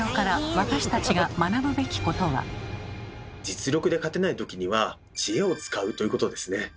実力で勝てないときには知恵を使うということですね。